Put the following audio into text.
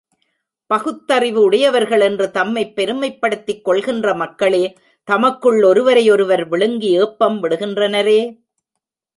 பகுத்தறிவு உடையவர்கள் என்று தம்மைப் பெருமைப்படுத்திக் கொள்கின்ற மக்களே, தமக்குள் ஒருவரை ஒருவர் விழுங்கி ஏப்பம் விடுகின்றனரே!